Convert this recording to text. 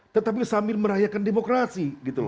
tetapi sambil merayakan demokrasi